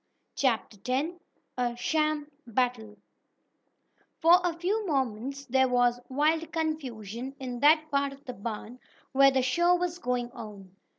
CHAPTER X A SHAM BATTLE For a few moments there was wild confusion in that part of the barn where the "show" was going on.